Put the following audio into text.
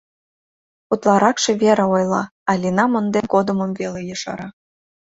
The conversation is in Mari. Утларакше Вера ойла, Алина монден кодымым веле ешара.